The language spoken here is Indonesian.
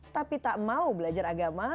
tapi tak mau belajar agama